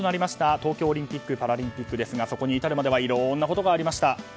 東京オリンピック・パラリンピックですがそこに至るまではいろんなことがありました。